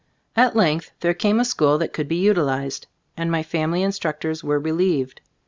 At length there came a school that could be utilized, and my family in structors were relieved.